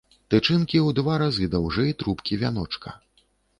Тычынкі ў два разы даўжэй трубкі вяночка.